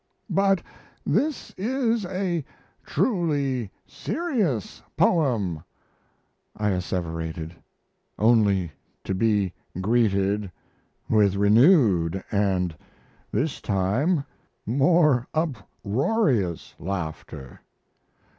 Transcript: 'But this is a truly serious poem,' I asseverated only to be greeted with renewed and, this time, more uproarious laughter.